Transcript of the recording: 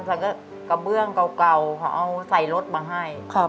ซักกระเบื้องเก่าของเอาใส่รถมาให้